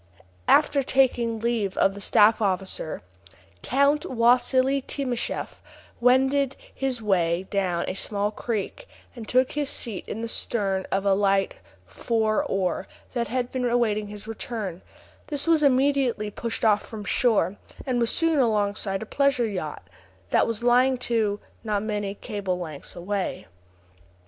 After taking leave of the staff officer, Count Wassili Timascheff wended his way down to a small creek, and took his seat in the stern of a light four oar that had been awaiting his return; this was immediately pushed off from shore, and was soon alongside a pleasure yacht, that was lying to, not many cable lengths away.